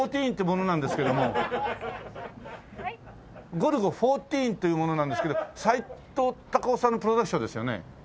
ゴルゴ１４という者なんですけどさいとう・たかをさんのプロダクションですよね？